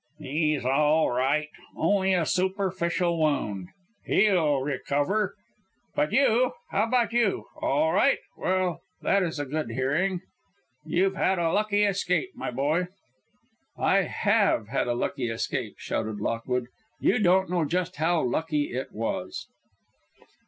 "He's all right; only a superficial wound. He'll recover. But you how about you? All right? Well, that is a good hearing. You've had a lucky escape, my boy." "I have had a lucky escape," shouted Lockwood. "You don't know just how lucky it was."